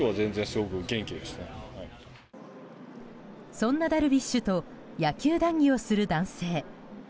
そんなダルビッシュと野球談議をする男性。